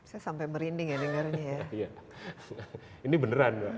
saya sampai merinding ya dengarnya ya